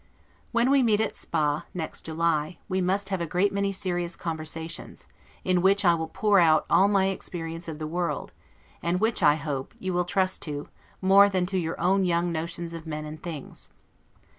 When we meet at Spa, next July, we must have a great many serious conversations; in which I will pour out all my experience of the world, and which, I hope, you will trust to, more than to your own young notions of men and things.